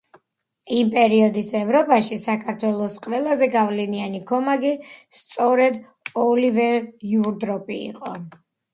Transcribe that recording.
იმ პერიოდის ევროპაში, საქართველოს ყველაზე გავლენიანი ქომაგი სწორედ ოლივერ უორდროპი იყო.